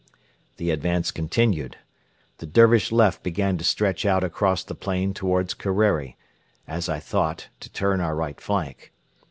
The advance continued. The Dervish left began to stretch out across the plain towards Kerreri as I thought, to turn our right flank.